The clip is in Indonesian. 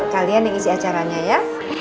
kalian isi acaranya ya